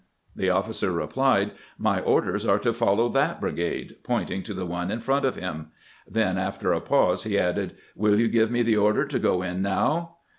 " The officer replied, "My orders are to follow that brigade," pointing to the one in front of him. Then, after a pause, he added, "WUl you give me the order to go in now?"